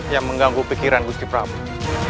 yang mengganggu pikiran gusti prabowo